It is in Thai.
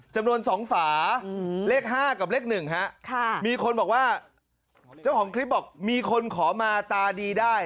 จำนวน๒ฝาเลข๕กับเลข๑ฮะมีคนบอกว่าเจ้าของคลิปบอกมีคนขอมาตาดีได้